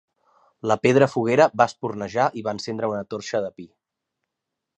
La pedra foguera va espurnejar i va encendre una torxa de pi.